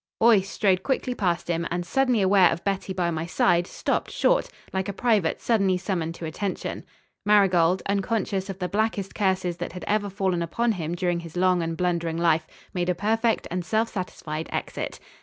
Boyce strode quickly past him and, suddenly aware of Betty by my side, stopped short, like a private suddenly summoned to attention. Marigold, unconscious of the blackest curses that had ever fallen upon him during his long and blundering life, made a perfect and self satisfied exit.